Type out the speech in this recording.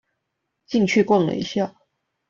進去逛了一下